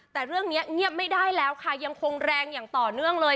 แต่เรื่องนี้เงียบไม่ได้แล้วค่ะยังคงแรงอย่างต่อเนื่องเลย